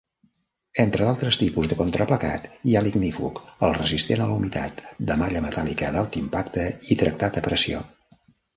Entre d'altres tipus de contraplacat hi ha l'ignífug, el resistent a la humitat, de malla metàl·lica, d'alt impacte i tractat a pressió.